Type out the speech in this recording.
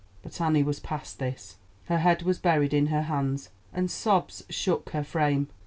But Annie was past this, her head was buried in her hands, and sobs shook her frame.